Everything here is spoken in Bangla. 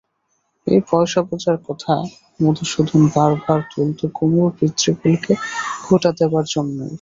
এই পয়সা-পূজার কথা মধুসূদন বার বার তুলত কুমুর পিতৃকুলকে খোঁটা দেবার জন্যেই।